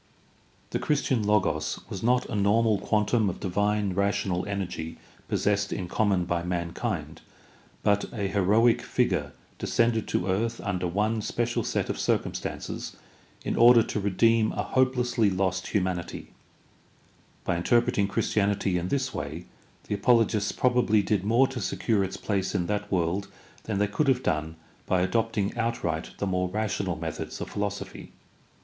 The Christian Logos was not a normal quantum of divine rational energy possessed in common by mankind, but a heroic figure descended to earth under one special set of cir cumstances in order to redeem a hopelessly lost humanity. By interpreting Christianity in this way the apologists probably did more to secure its place in that world than they could have done by adopting outright the more rational THE STUDY OF EARLY CHRISTL\NITY 305 methods of philosophy.